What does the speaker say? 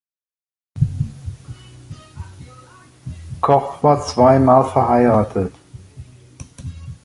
Koch war zweimal verheiratet.